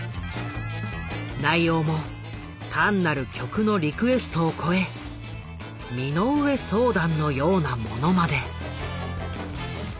内容も単なる曲のリクエストを超え身の上相談のようなものまで。